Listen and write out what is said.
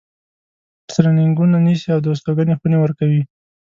ترینینګونه نیسي او د استوګنې خونې ورکوي.